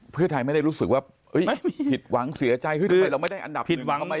พี่ไทยไม่ได้รู้สึกว่าผิดหวังเสียใจเราไม่ได้อันดับหนึ่ง